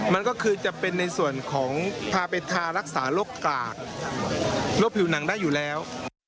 มันก็คือจะเป็นในส่วนของพาไปทารักษาโรคกากโรคผิวหนังได้อยู่แล้ว